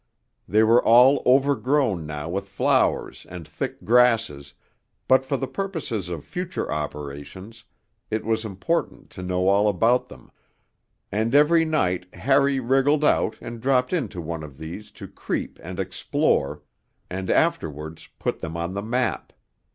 They were all overgrown now with flowers and thick grasses, but for the purposes of future operations it was important to know all about them, and every night Harry wriggled out and dropped into one of these to creep and explore, and afterwards put them on the map.